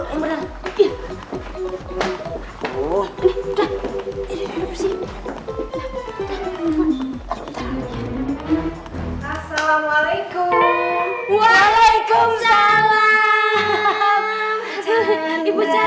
hai assalamualaikum waalaikumsalam